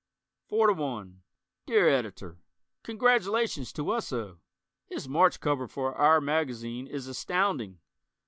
Four to One Dear Editor: Congratulations to Wesso! His March cover for "our" magazine is Astounding!